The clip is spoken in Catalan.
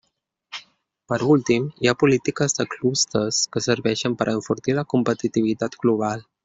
Per últim, hi ha polítiques de clústers que serveixen per a enfortir la competitivitat global.